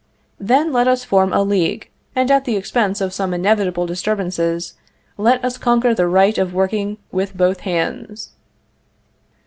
Then let us form a league, and, at the expense of some inevitable disturbances, let us conquer the right of working with both hands."